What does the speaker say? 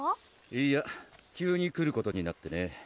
いいや急に来ることになってね